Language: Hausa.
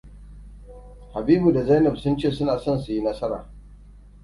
Habibu da Zainab sun ce suna son su yi nasara.